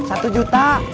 atau satu juta